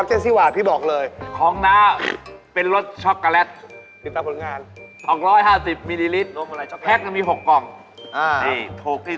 เราต้องเต้นกันด้วยเลยครับ